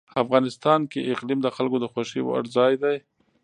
افغانستان کې اقلیم د خلکو د خوښې وړ ځای دی.